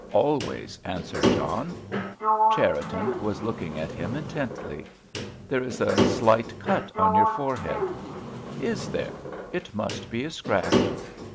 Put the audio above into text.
"Always," answered John. Cherriton was looking at him intently. "There is a slight cut on your forehead." "Is there? It must be a scratch."